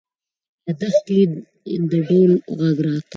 له دښتې د ډول غږ راته.